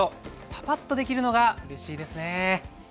パパッとできるのがうれしいですね。